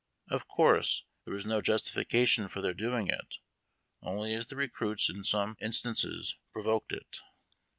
Of course, there was no justi fication for their doing it, only as the recruits in some instances provoked it.